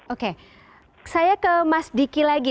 oke saya ke mas diki lagi